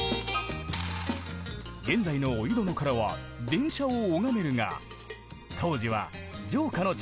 現在の御湯殿からは電車を拝めるが当時は城下の眺望を楽しめた。